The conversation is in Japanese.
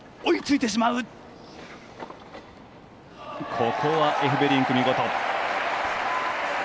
ここは、エフベリンク見事。